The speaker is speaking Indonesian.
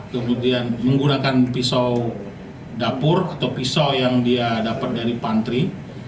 kemudian menggunakan pisau dapur atau pisau yang dia dapat dari pantri